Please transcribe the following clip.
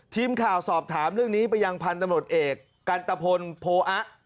ทีมข่าวสอบถามเรื่องนี้ไปยังพันธุ์ตำรวจเอกกันตะพลโพอะ